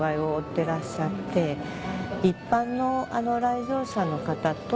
てらっしゃって一般の来場者の方と共に見ることが